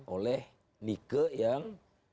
oleh nike yang